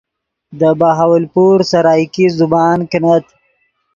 دے بہاولپور سرائیکی زبان کینت